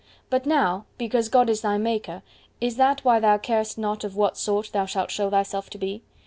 But now, because God is thy Maker, is that why thou carest not of what sort thou shalt show thyself to be?